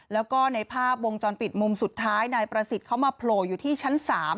แล้วก็ในภาพวงจรปิดมุมสุดท้ายนายประสิทธิ์เขามาโผล่อยู่ที่ชั้น๓